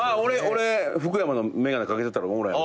俺福山の眼鏡掛けてたらおもろいやろ。